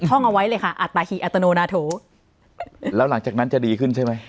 ท่องเอาไว้เลยค่ะอัตหีอัตโนนาโถแล้วหลังจากนั้นจะดีขึ้นใช่ไหม